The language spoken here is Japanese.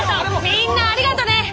みんなありがとねぇ。